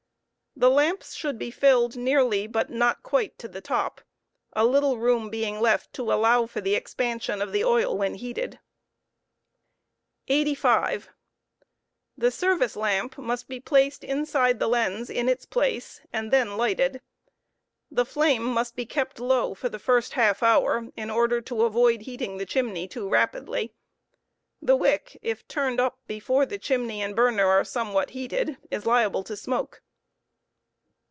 The lamps should be filled nearly but not quite to the top, a little room being left to allow for the expansion of the oil when heated* * UghiiBg. 85. The service lamp must be placed inside the lens in its place, and then lighted. The flame must be kept low for the first half hour, in order avoid heating the chimney too rapidly. The wick, if turned up before the chimney and burner are some what heated, is liable to smoke.